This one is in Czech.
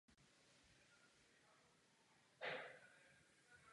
Ten však ukradne její deník a využívá získané informace.